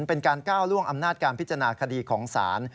เป็นการก้าวล่วงอำนาจการพิจารณาคดีของศาล